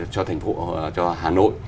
cho thành phố cho hà nội